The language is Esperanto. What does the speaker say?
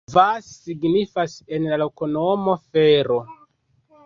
Vas signifas en la loknomo: fero.